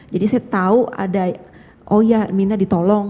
jadi saya tahu ada oh ya mirna ditolong